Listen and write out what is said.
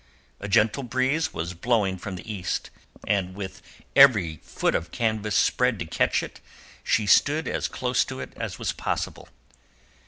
A gentle breeze was blowing from the east, and with every foot of canvas spread to catch it she stood as close to it as was possible.